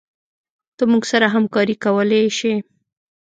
ته موږ سره همکارې کولي شي